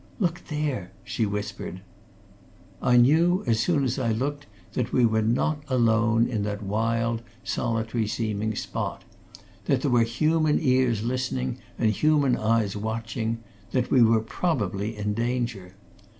"Look there!" she whispered. I knew as soon as I looked that we were not alone in that wild, solitary seeming spot; that there were human ears listening, and human eyes watching; that we were probably in danger.